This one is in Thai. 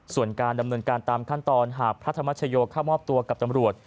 ส่วนการดำเนินการตามขั้นตอนหากพระธรรมชโยเข้ามอบตัวกับตำรวจ